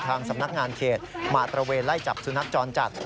สำนักงานเขตมาตระเวนไล่จับสุนัขจรจัด